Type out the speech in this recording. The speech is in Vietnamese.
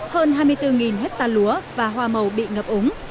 hơn hai mươi bốn hectare lúa và hoa màu bị ngập úng